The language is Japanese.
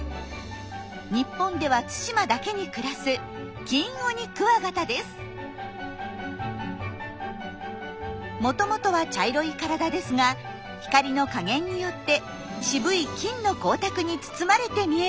日本では対馬だけに暮らすもともとは茶色い体ですが光の加減によって渋い金の光沢に包まれて見えるんです。